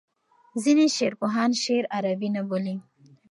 ځینې شعرپوهان شعر عربي نه بولي.